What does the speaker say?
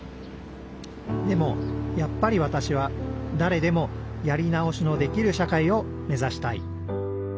でもやっぱりわたしはだれでもやり直しのできる社会を目指したい。